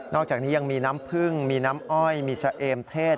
อกจากนี้ยังมีน้ำผึ้งมีน้ำอ้อยมีชะเอมเทศ